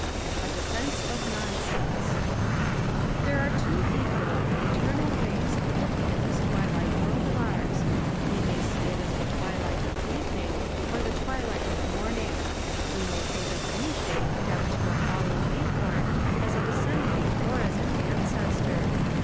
A DEFENCE OF NONSENSE THERE are two equal and eternal ways of looking at this twilight world of ours : we may see it as the twilight of even ing or the twilight of morning; we may think of anything, down to a fallen acorn, as a descendant or as an ancestor.